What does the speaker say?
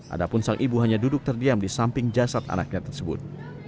adapun sang ibu hanya duduk terdiam di samping jasad anaknya tersebut